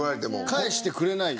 返してくれない。